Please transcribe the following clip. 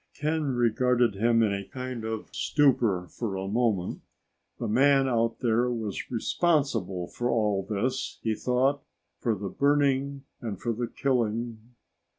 Ken regarded him in a kind of stupor for a moment. The man out there was responsible for all this, he thought, for the burning and for the killing....